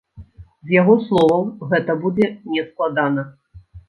З яго словаў, гэта будзе нескладана.